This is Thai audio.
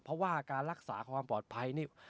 เพราะว่าการรักษาความปลอดภัยนี่